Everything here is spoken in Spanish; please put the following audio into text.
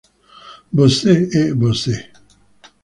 Você e você.